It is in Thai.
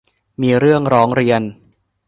มีเรื่องร้องเรียน